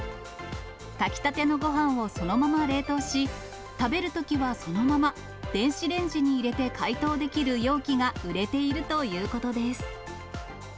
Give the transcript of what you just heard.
炊きたてのごはんをそのまま冷凍し、食べるときはそのまま、電子レンジに入れて解凍できる容器が売れているということです。